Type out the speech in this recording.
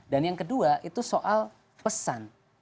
dan yang kedua itu soal pesan